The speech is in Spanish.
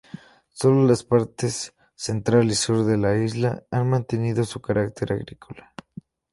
Solo las partes central y sur de la isla han mantenido su carácter agrícola.